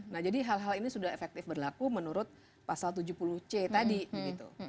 nah jadi hal hal ini sudah efektif berlaku menurut pasal tujuh puluh c tadi begitu